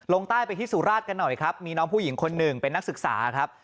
ลงใต้ไปที่สุราชกันหน่อยครับมีน้องผู้หญิงคนหนึ่งเป็นนักศึกษาครับ